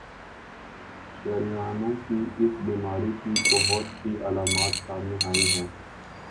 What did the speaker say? شریانوں کی اس بیماری کی بہت سی علامات سامنے آئی ہیں